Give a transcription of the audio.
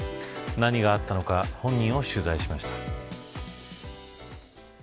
何があったのか本人を取材しました。